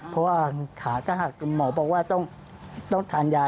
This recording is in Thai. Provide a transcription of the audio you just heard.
เพราะว่าขาก็หักคุณหมอบอกว่าต้องทานยา